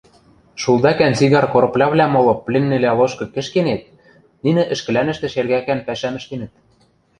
Шулдӓкӓн сигар короплявлӓм моло пленныйвлӓ лошкы кӹшкенет нинӹ ӹшкӹлӓнӹштӹ шергӓкӓн пӓшӓм ӹштенӹт...